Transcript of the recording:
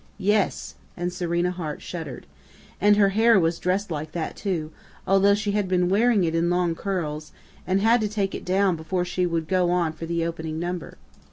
"Yes," and Serena Hart shuddered. "And her hair was dressed like that, too, although she had been wearing it in long curls, and had to take it down before she would go on for the opening number.